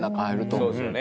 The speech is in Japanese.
そうですよね。